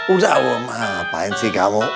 udah apaan sih kamu